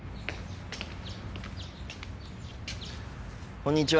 こんにちは。